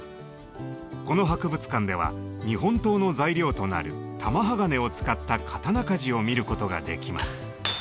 この博物館では日本刀の材料となる「玉鋼」を使った刀鍛冶を見ることができます。